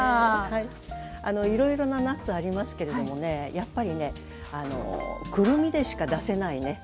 はいいろいろなナッツありますけれどもねやっぱりねくるみでしか出せないね